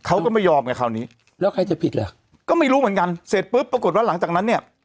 เขาก็ไม่ยอมไงคราวนี้แล้วใครจะผิดเหรอก็ไม่รู้เหมือนกันเสร็จปุ๊บปรากฏว่าหลังจากนั้นเนี่ย